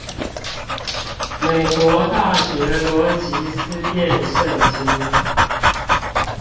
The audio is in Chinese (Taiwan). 美國大學邏輯思辨聖經